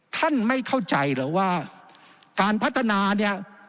ท่านไม่เข้าใจเหรอว่าการพัฒนาเนี่ย